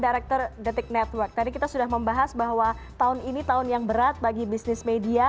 director detik network tadi kita sudah membahas bahwa tahun ini tahun yang berat bagi bisnis media